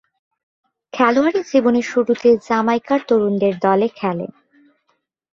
খেলোয়াড়ী জীবনের শুরুতে জ্যামাইকার তরুণদের দলে খেলেন।